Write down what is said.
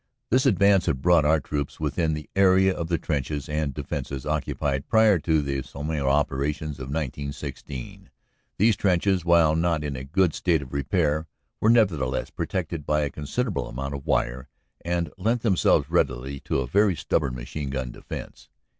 This advance had brought our troops within the area of the trenches and defenses occupied prior to the Somme operations of 1916. These trenches, while not in a good state of repair, were, nevertheless, protected by a consid erable amount of wire, and lent themselves readily to a very stubborn machine gun defense."